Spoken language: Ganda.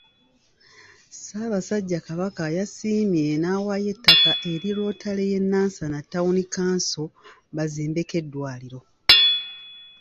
Ssaabasajja Kabaka yasiimye n'awaayo ettaka eri Rotary y'e Nansana Ttawuni kkanso bazimbeko eddwaliro.